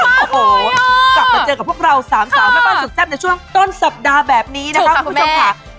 โอ้โหกลับมาเจอกับพวกเราสามสาวแม่บ้านสุดแซ่บในช่วงต้นสัปดาห์แบบนี้นะคะคุณผู้ชมค่ะ